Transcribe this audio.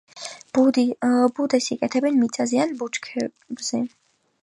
ბუდეს იკეთებენ მიწაზე ან ბუჩქებზე.